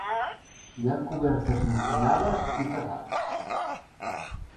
Hi ha cobertes inclinades i terrats.